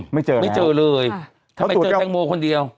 ไม่เจอเลยถ้าไปเจอแกงโมคนเดียว